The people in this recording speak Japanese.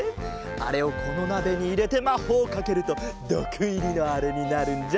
あれをこのなべにいれてまほうをかけるとどくいりのあれになるんじゃ。